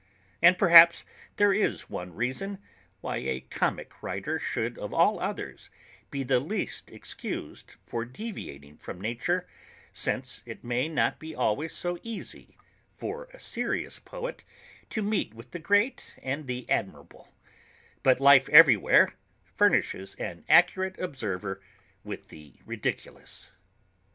And perhaps, there is one reason, why a comic writer should of all others be the least excused for deviating from nature, since it may not be always so easy for a serious poet to meet with the great and the admirable; but life everywhere furnishes an accurate observer with the ridiculous.